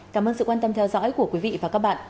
cảm ơn sự quan tâm theo dõi của quý vị và các bạn